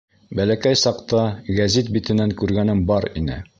Бәләкәй саҡта гәзит битенән күргәнем бар ине.